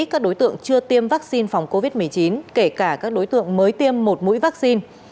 các đối tượng chưa tiêm vaccine phòng covid một mươi chín kể cả các đối tượng mới tiêm một mũi vaccine